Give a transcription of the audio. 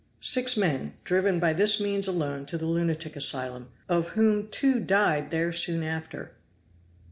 "Six men driven by this means alone to the lunatic asylum, of whom two died there soon after."